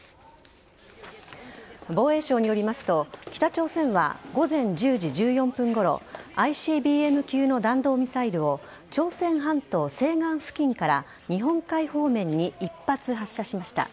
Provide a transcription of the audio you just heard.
防衛省によりますと北朝鮮は午前１０時１４分ごろＩＣＢＭ級の弾道ミサイルを朝鮮半島西岸付近から日本海方面に１発、発射しました。